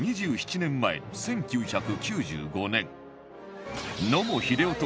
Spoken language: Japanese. ２７年前１９９５年